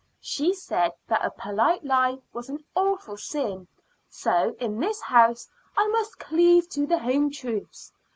She said that a polite lie was an awful sin, so in this house I must cleave to the home truths.